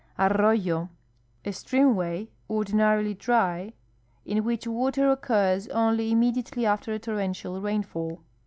An oijo. — A streamway, ordinarily dry, in which water occurs only im mediately after a torrential rainfall.